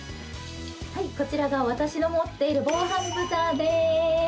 こちらが私が持っている防犯ブザーです。